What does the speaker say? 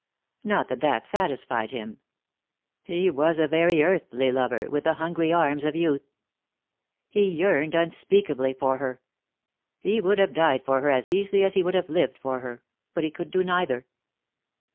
Not that that satisfied him. He was a very earthly lover, with the hungry arms of youth. He yearned unspeakably for her. He would have died for her as easily as he would have lived for her, but he could do neither.